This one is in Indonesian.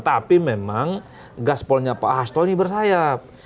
tapi memang gaspolnya pak hasto ini bersayap